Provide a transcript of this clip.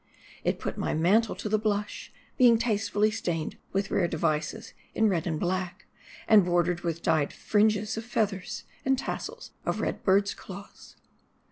It put my mantle to the blush ; being tastefully stained with rare devices in red and black ; and bordered with dyed fringes of feathers, and tassels of red bir'ds' claws.